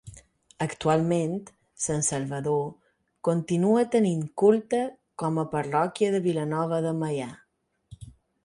Actualment, Sant Salvador continua tenint culte com a parròquia de Vilanova de Meià.